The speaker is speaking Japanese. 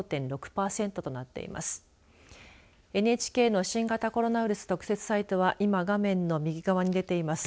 ＮＨＫの新型コロナウイルス特設サイトは今、画面の右側に出ています